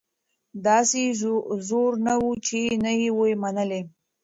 داسي زور نه وو چي نه یې وي منلي